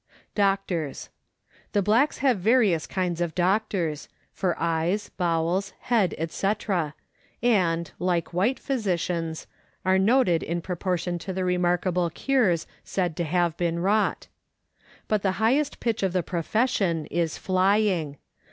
Doctors. The blacks have various kinds of doctors for eyes, bowels, head, &c., and, like white physicians, are noted in pro portion to the remarkable cures said to have been wrought. But the highest pitch of the profession is flying.